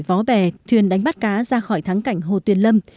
vó bè thuyền đánh bắt cá ra khỏi thắng cảnh hồ tuyền lâm